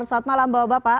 selamat malam bapak bapak